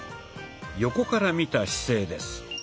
横から見た姿勢です。